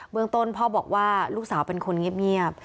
เมืองต้นพ่อบอกว่าลูกสาวเป็นคนเงียบ